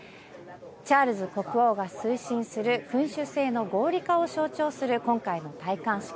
チャールズ国王が推進する君主制の合理化を象徴する今回の戴冠式。